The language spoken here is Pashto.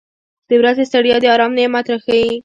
• د ورځې ستړیا د آرام نعمت راښیي.